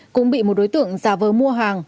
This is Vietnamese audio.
cũng bị một đối tượng giả vờ mua hàng